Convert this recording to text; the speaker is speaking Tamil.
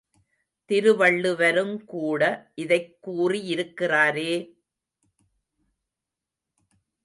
திருவள்ளுவருங்கூட இதைக் கூறியிருக்கிறாரே.